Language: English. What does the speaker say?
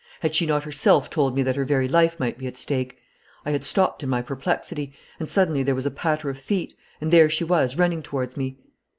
Had she not herself told me that her very life might be at stake? I had stopped in my perplexity, and suddenly there was a patter of feet, and there she was running towards me.